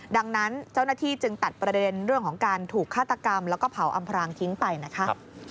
ดังนั้นเจ้าหน้าที่จึงตัดประเด็นเรื่องของการถูกฆาตกรรมแล้วก็เผาอำพรางทิ้งไปนะคะ